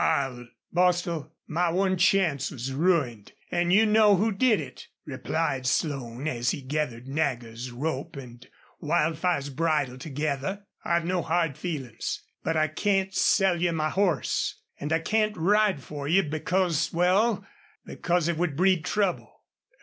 I'll " "Bostil, my one chance was ruined an' you know who did it," replied Slone, as he gathered Nagger's rope and Wildfire's bridle together. "I've no hard feelin's.... But I can't sell you my horse. An' I can't ride for you because well, because it would breed trouble."